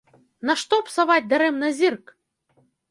Нашто псаваць дарэмна зірк?